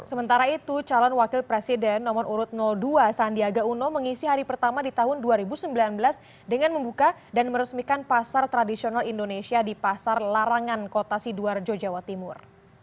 sementara itu calon wakil presiden nomor urut dua sandiaga uno mengisi hari pertama di tahun dua ribu sembilan belas dengan membuka dan meresmikan pasar tradisional indonesia di pasar larangan kota sidoarjo jawa timur